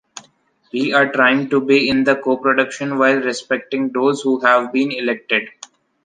We are trying to be in the coproduction while respecting those who have been elected.